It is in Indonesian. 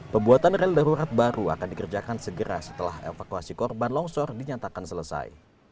pembuatan rel darurat baru akan dikerjakan segera setelah evakuasi korban longsor dinyatakan selesai